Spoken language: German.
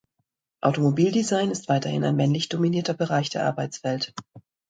Automobildesign ist weiterhin ein männlich dominierter Bereich der Arbeitswelt.